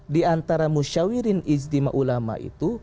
diantara musyawirin izdima ulama itu